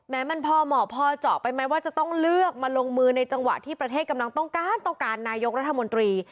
มันพอเหมาะพอเจาะไปไหมว่าจะต้องเลือกมาลงมือในจังหวะที่ประเทศกำลังต้องการต้องการนายกรัฐมนตรี